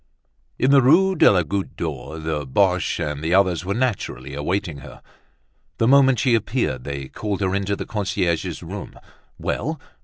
In the Rue de la Goutte d'Or the Boches and the others were naturally awaiting her. The moment she appeared they called her into the concierge's room. Well!